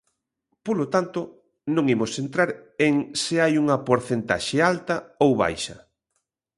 Polo tanto, non imos entrar en se hai unha porcentaxe alta ou baixa.